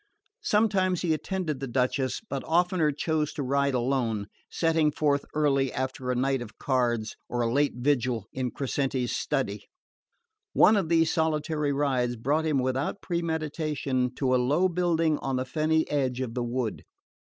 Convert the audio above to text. Sometimes he attended the Duchess, but oftener chose to ride alone, setting forth early after a night at cards or a late vigil in Crescenti's study. One of these solitary rides brought him without premeditation to a low building on the fenny edge of the wood.